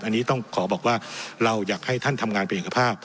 อันนี้ต้องขอบอกว่าเราอยากให้ท่านทำงานเป็นเอกภาพ